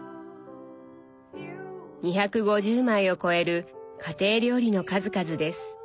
２５０枚を超える家庭料理の数々です。